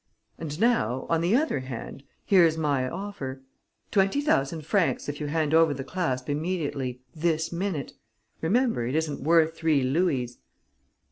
And now, on the other hand, here's my offer: twenty thousand francs if you hand over the clasp immediately, this minute. Remember, it isn't worth three louis."